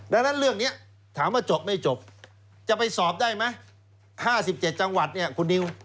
ดังนั้นเรื่องนี้ถามว่าจบไม่จบจะไปสอบได้ไหม๕๗จังหวัดเนี่ยคุณนิว